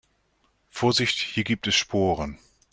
Vorsicht, hier gibt es Sporen.